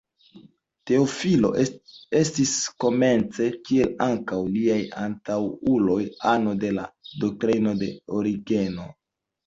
Teofilo estis komence, kiel ankaŭ liaj antaŭuloj, ano de la doktrino de Origeno.